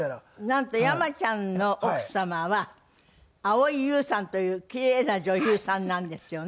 なんと山ちゃんの奥様は蒼井優さんという奇麗な女優さんなんですよね。